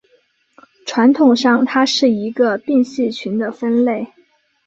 传统上它是一个并系群的分类。